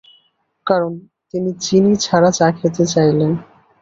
কারণ তিনি চিনি ছাড়া চা খেতে চাইলেন।